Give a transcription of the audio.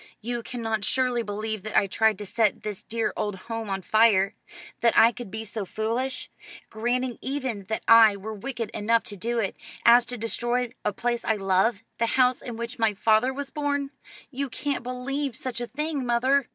You cannot surely believe that I tried to set this dear old home on fire that I could be so foolish granting even that I were wicked enough to do it as to destroy a place I love the house in which my father was born! You can't believe such a thing, mother."